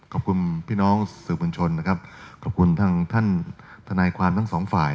ขอบคุณพี่น้องสื่อมวลชนนะครับขอบคุณทางท่านทนายความทั้งสองฝ่าย